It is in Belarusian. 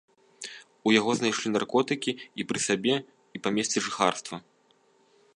У яго знайшлі наркотыкі і пры сабе, і па месцы жыхарства.